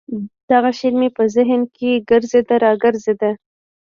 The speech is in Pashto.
دغه شعر مې په ذهن کښې ګرځېده راګرځېده.